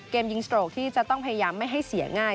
ยิงสโตรกที่จะต้องพยายามไม่ให้เสียง่าย